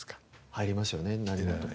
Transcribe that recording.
入りますよね何事も。